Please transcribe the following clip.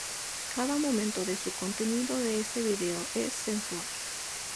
Cada momento de su contenido de este vídeo es sensual.